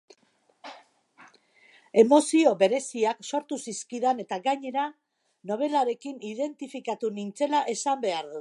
Emozio bereziak sortu zizkidan eta gainera, nobelarekin identifikatu nintzela esan behar dut.